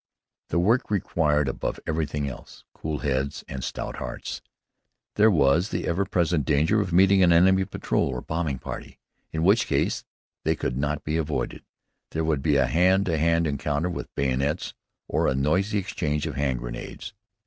The work required, above everything else, cool heads and stout hearts. There was the ever present danger of meeting an enemy patrol or bombing party, in which case, if they could not be avoided, there would be a hand to hand encounter with bayonets, or a noisy exchange of hand grenades.